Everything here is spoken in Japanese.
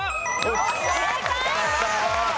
正解！